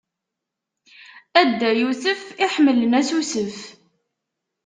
A Dda Yusef iḥemmlen asusef.